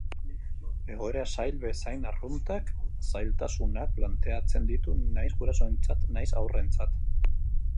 Egoera zail bezain arruntak zailtasunak planteatzen ditu nahiz gurasoentzat nahiz haurrentzat.